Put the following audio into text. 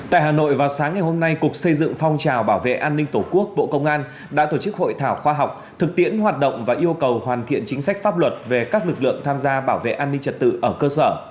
tại hà nội vào sáng ngày hôm nay cục xây dựng phong trào bảo vệ an ninh tổ quốc bộ công an đã tổ chức hội thảo khoa học thực tiễn hoạt động và yêu cầu hoàn thiện chính sách pháp luật về các lực lượng tham gia bảo vệ an ninh trật tự ở cơ sở